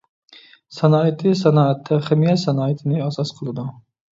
سانائىتى سانائەتتە خىمىيە سانائىتىنى ئاساس قىلىدۇ.